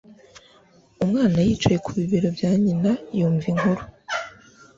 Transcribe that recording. Umwana yicaye ku bibero bya nyina yumva inkuru